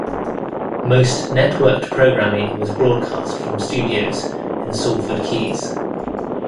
Most networked programming was broadcast from studios in Salford Quays.